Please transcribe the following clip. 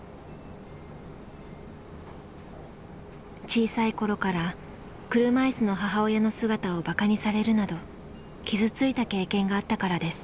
小さい頃から車いすの母親の姿をバカにされるなど傷ついた経験があったからです。